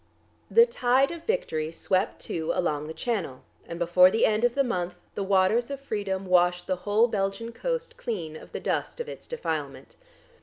The tide of victory swept too along the Channel, and before the end of the month the waters of freedom washed the whole Belgian coast clean of the dust of its defilement.